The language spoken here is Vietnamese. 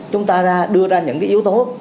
chúng ta đưa ra những cái yếu tố